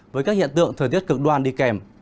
với các hiện tượng thời tiết cực đoan đi kèm